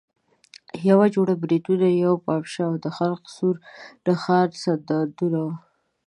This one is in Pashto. یوه جوړه بریتونه، یوه پاپشه او د خلق سور نښان سندونه وو.